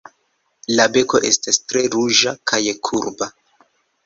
La beko estas tre ruĝa, kaj kurba.